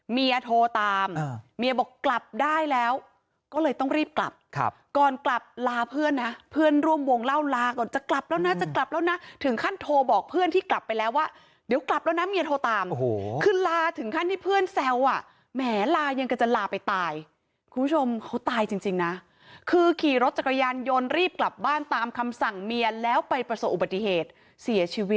เมียโทรตามเมียบอกกลับได้แล้วก็เลยต้องรีบกลับก่อนกลับลาเพื่อนนะเพื่อนร่วมวงเล่าลาก่อนจะกลับแล้วนะจะกลับแล้วนะถึงขั้นโทรบอกเพื่อนที่กลับไปแล้วว่าเดี๋ยวกลับแล้วนะเมียโทรตามโอ้โหคือลาถึงขั้นที่เพื่อนแซวอ่ะแหมลายังก็จะลาไปตายคุณผู้ชมเขาตายจริงนะคือขี่รถจักรยานยนต์รีบกลับบ้านตามคำสั่งเมียแล้วไปประสบอุบัติเหตุเสียชีวิต